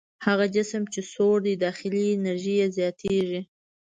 هغه جسم چې سوړ دی داخلي انرژي یې زیاتیږي.